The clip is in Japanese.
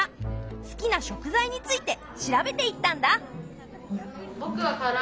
好きな食材について調べていったんだ。